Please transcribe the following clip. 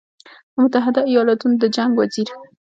د متحدو ایالتونو د جنګ وزیر